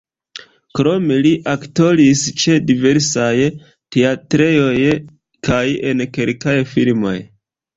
Krome li aktoris ĉe diversaj teatrejoj kaj en kelkaj filmoj.